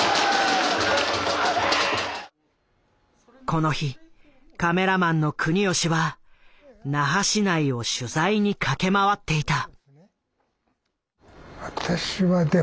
この日カメラマンの國吉は那覇市内を取材に駆け回っていた。